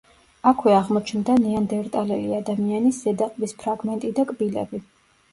აქვე აღმოჩნდა ნეანდერტალელი ადამიანის ზედა ყბის ფრაგმენტი და კბილები.